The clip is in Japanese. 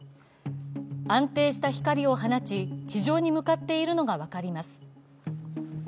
安定した光を放ち、地上に向かっているのが分かります。